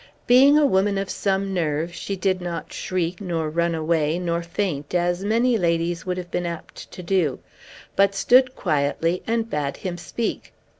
Being a woman of some nerve, she did not shriek, nor run away, nor faint, as many ladies would have been apt to do, but stood quietly, and bade him speak.